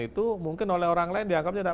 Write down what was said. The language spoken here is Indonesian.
itu mungkin oleh orang lain dianggap tidak